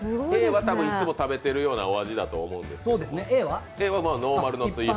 Ａは多分いつも食べているようなお味だと思います。